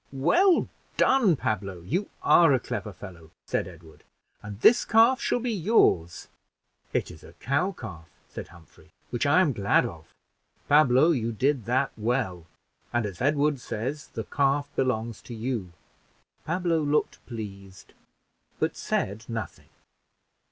"Well done, Pablo! you are a clever fellow," said Edward, "and this calf shall be yours." "It is a cow calf," said Humphrey, "which I am glad of. Pablo, you did that well, and, as Edward says, the calf belongs to you." Pablo look pleased, but said nothing.